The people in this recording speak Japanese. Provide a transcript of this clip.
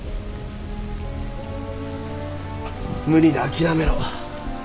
無理だ諦めろ。